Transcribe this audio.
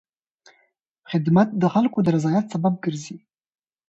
خدمت د خلکو د رضایت سبب ګرځي.